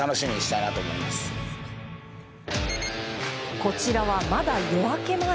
こちらはまだ夜明け前。